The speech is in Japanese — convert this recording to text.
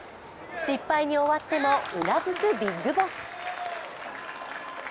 失敗に終わっても、うなずくビッグボス。